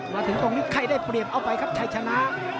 มาถึงตรงนี้ใครได้เปรียบเอาไปครับชัยชนะ